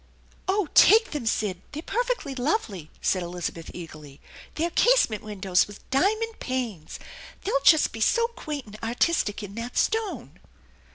"Oh, take them, Sid! They're perfectly lovely," said Elizabeth eagerly. " They're casement windows with diamond panes. They'll just be so quaint and artistic in that stone